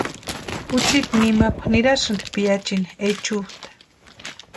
Juchiti nimakwa nirasti piachintini ichusta.